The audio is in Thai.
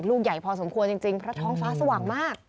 ลูกใหญ่พอสมควรจริงเพราะท้องฟ้าสว่างมาก